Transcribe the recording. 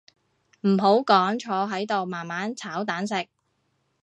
唔好講坐喺度慢慢炒蛋食